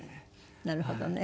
なるほどね。